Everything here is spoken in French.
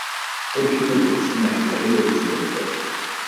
Aucune autopsie n'a été réalisée à l'époque.